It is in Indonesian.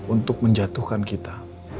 untuk menjatuhkan kita